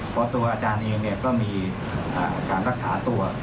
เพราะตัวอาจารย์เองก็มีการรักษาตัว